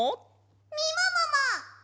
みももも！